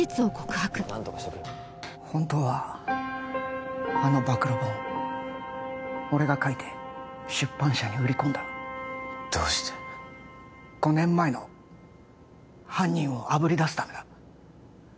本当はあの暴露本俺が書いて出版社に売り込んだどうして５年前の犯人をあぶり出すためだ